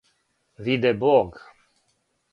виде Бог